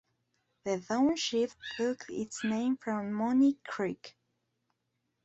The township took its name from Money Creek.